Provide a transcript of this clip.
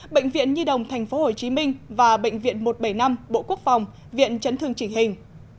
bệnh viện nhi đồng tp hcm và bệnh viện một trăm bảy mươi năm bộ quốc phòng viện chấn thương chỉnh hình